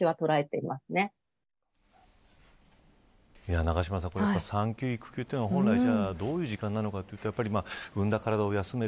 永島さん、産休・育休中のは本来どういう時間なのかというと産んだ体を、休める。